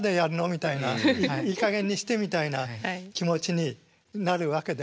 みたいないいかげんにしてみたいな気持ちになるわけでありましょう。